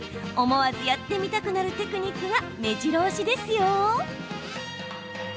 思わずやってみたくなるテクニックがめじろ押しですよ！